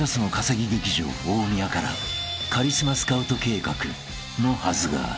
劇場大宮からカリスマスカウト計画のはずが］